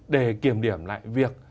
để kiểm điểm lại việc